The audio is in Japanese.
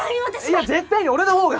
いや絶対に俺の方が。